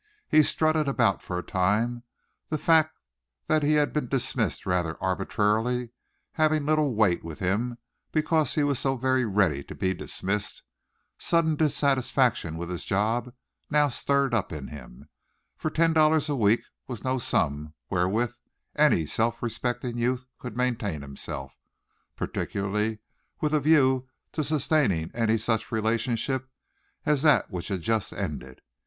He strutted about for a time, the fact that he had been dismissed rather arbitrarily having little weight with him because he was so very ready to be dismissed, sudden dissatisfaction with his job now stirred up in him, for ten dollars a week was no sum wherewith any self respecting youth could maintain himself, particularly with a view to sustaining any such relationship as that which had just ended.